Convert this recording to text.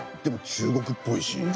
でも中国っぽいし。